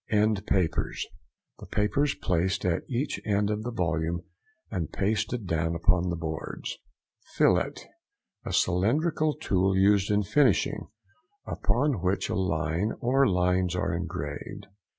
END PAPERS.—The papers placed at each end of the volume and pasted down upon the boards. FILLET.—A cylindrical tool used in finishing, upon which a line or lines are engraved.